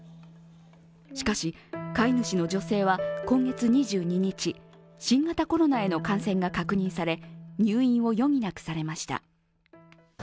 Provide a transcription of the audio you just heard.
しかし、飼い主の女性は今月２２日、新型コロナへの感染が確認され入院を余儀なくされました。